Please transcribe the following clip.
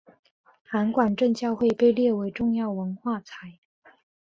函馆正教会被列为重要文化财。